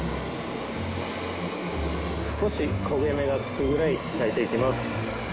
少し焦げ目が付くぐらい焼いていきます。